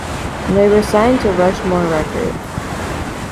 They were signed to Rushmore Records.